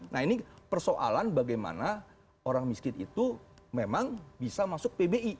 nah ini persoalan bagaimana orang miskin itu memang bisa masuk pbi